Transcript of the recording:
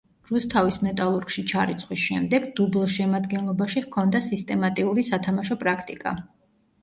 რუსთავის „მეტალურგში“ ჩარიცხვის შემდეგ დუბლშემადგენლობაში ჰქონდა სისტემატიური სათამაშო პრაქტიკა.